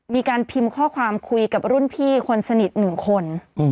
มีการพิมพ์ข้อความคุยกับรุ่นพี่คนสนิท๑คน